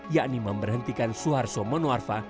yakni memberhentikan suar so mono arfa